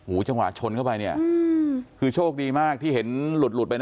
จังหวะชนเข้าไปเนี่ยคือโชคดีมากที่เห็นหลุดหลุดไปนะ